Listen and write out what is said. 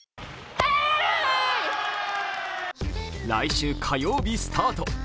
来週火曜日スタート